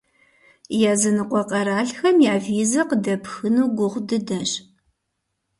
Языныкъуэ къэралхэм я визэ къыдэпхыну гугъу дыдэщ.